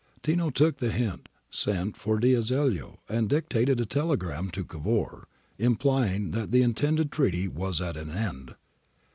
Tino took the hint, sent for D'Azeglio and dictated a telegram to Cavour, implying that the intended treaty was at an end.